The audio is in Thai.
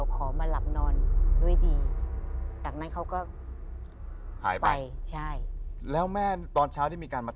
ขอมาหลับนอนด้วยดีจากนั้นเขาก็หายไปใช่แล้วแม่ตอนเช้าที่มีการมา